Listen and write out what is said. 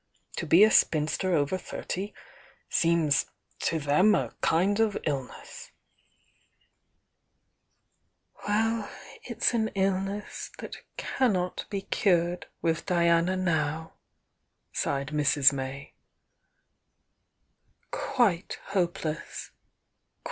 To be a spinster oyer thirty seems to them a kind of Ubess." we , It s an illness that cannot be cured with «o*"°,7'" ^'«t«d ^''s May. "Quite hopeless!"